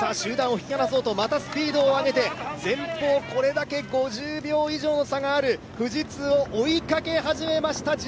集団を引き離そうと、またスピードを上げて、前方これだけ５０秒以上の差がある富士通を追いかけ始めました